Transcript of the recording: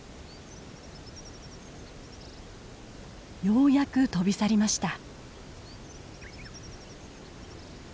ようやく飛び去りました。